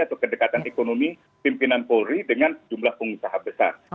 atau kedekatan ekonomi pimpinan polri dengan jumlah pengusaha besar